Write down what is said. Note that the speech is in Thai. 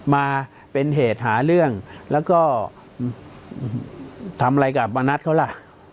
มาเป็นเหตุหาเรื่องแล้วก็ทำอะไรกับมานัดเขาล่ะ